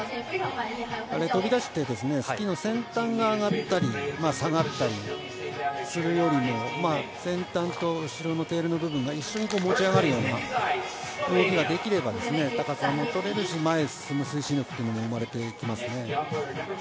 飛び出して、スキーの先端が上がったり下がったりするよりも、先端と後ろのテールの部分が一緒に持ち上がるような動きができれば高さもとれるし、前へ進む推進力も生まれてきますね。